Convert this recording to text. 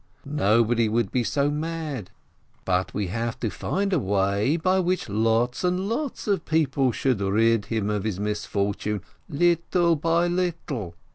Nobody would be so mad. But we have to find out a way by which lots and lots of people should rid him of his misfortune little by little.